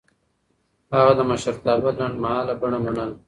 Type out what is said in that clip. هغه د مشرتابه لنډمهاله بڼه منله.